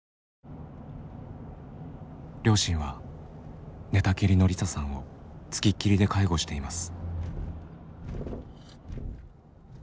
両親は寝たきりの梨沙さんを付きっきりで介護しています。